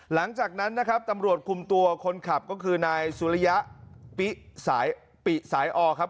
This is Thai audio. หลังจากนั้นนะครับตำรวจคุมตัวคนขับก็คือนายสุริยะปิสายปิสายอครับ